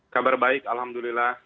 kabar baik alhamdulillah